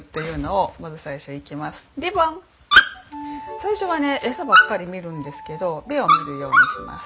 最初はね餌ばっかり見るんですけど目を見るようにします。